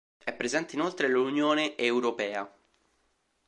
È presente, inoltre, l'Unione europea.